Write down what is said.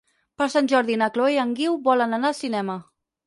Per Sant Jordi na Chloé i en Guiu volen anar al cinema.